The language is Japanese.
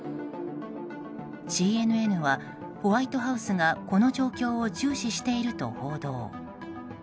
ＣＮＮはホワイトハウスがこの状況を注視していると報道。